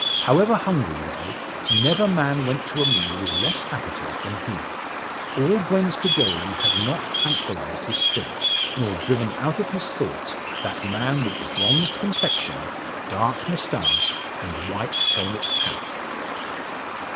However hungry they, never man went to a meal with less appetite than he. All Gwen's cajoling has not tranquillised his spirit, nor driven out of his thoughts that man with the bronzed complexion, dark moustache, and white helmet hat.